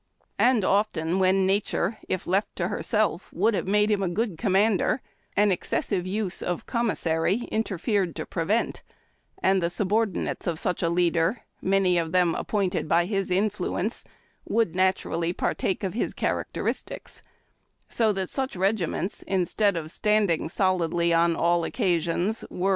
And often when nature, if left to lierself, would have made him a good commander, an excessive use of "commis sary" interfered to prevent, and the subordinates of such a leader, many of them appointed by his influence, would naturally partake of his characteristics; so that such regi ments, instead of standing solidly on all occasions, were ON A AVOODEN HORSE. OFFE^^CES AND PUJ^ISHMENTS.